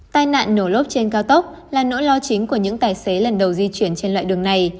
tai nạn nổ lốp trên cao tốc là nỗi lo chính của những tài xế lần đầu di chuyển trên loại đường này